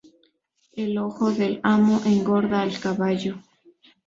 El ojo del amo engorda al caballo